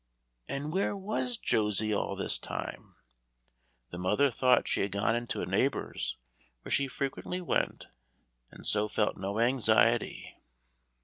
And where was Josie all this time? The mother thought she had gone into a neighbor's, where she frequently went, and so felt no anxiety.